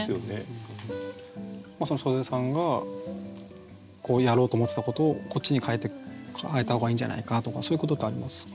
岨手さんがこうやろうと思ってたことをこっちに変えた方がいいんじゃないかとかそういうことってあります？